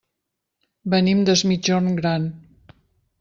Venim des Migjorn Gran.